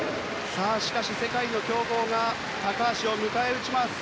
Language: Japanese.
しかし、世界の強豪が高橋を迎え撃ちます。